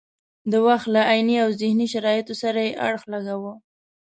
د وخت له عیني او ذهني شرایطو سره یې اړخ لګاوه.